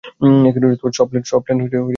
সব প্ল্যান তাদের বলে দিয়েছে।